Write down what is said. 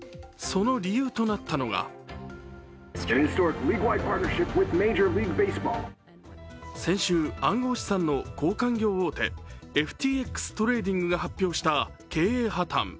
その理由となったのが先週、暗号資産の交換業大手、ＦＴＸトレーディングが発表した経営破綻。